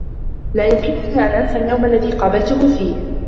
لا يمكنني أن أنسى اليوم الذي قابلته فيه.